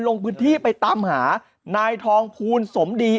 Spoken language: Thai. ลงพื้นที่ไปตามหานายทองภูลสมดี